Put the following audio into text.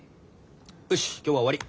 うし今日は終わり！